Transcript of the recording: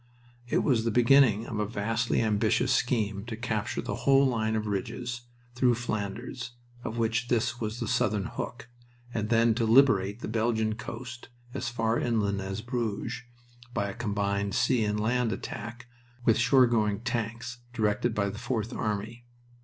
It was the beginning of a vastly ambitious scheme to capture the whole line of ridges through Flanders, of which this was the southern hook, and then to liberate the Belgian coast as far inland as Bruges by a combined sea and land attack with shoregoing tanks, directed by the Fourth Army.